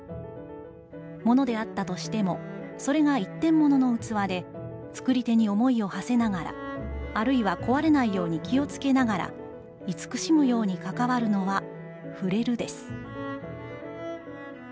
「物であったとしても、それが一点物のうつわで、作り手に想いを馳せながら、あるいは壊れないように気をつけながらいつくしむようにかかわるのは『ふれる』です」。